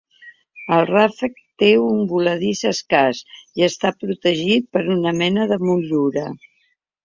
El ràfec té un voladís escàs i està protegit per una mena de motllura.